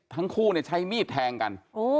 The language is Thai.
ทั้งคู่ใช้มีดแทงกัน